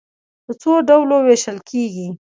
په څو ډلو وېشل کېږي.